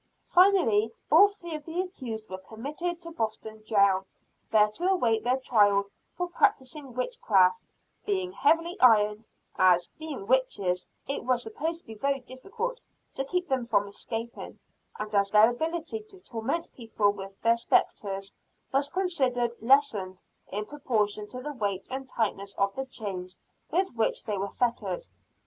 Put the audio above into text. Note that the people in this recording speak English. Finally, all three of the accused were committed to Boston jail, there to await their trial for practising witchcraft; being heavily ironed, as, being witches, it was supposed to be very difficult to keep them from escaping; and as their ability to torment people with their spectres, was considered lessened in proportion to the weight and tightness of the chains with which they were fettered.